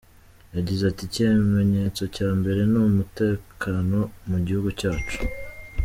Yagize ati “Ikimenyetso cya mbere ni umutekano mu gihugu cyacu.